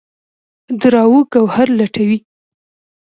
دُراو ګوهر لټوي